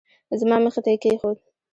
زما مخې ته یې کېښود.